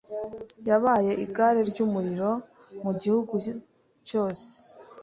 Yabaye igare ryumuriro Mu gihugu cyose